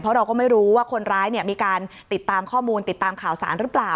เพราะเราก็ไม่รู้ว่าคนร้ายมีการติดตามข้อมูลติดตามข่าวสารหรือเปล่า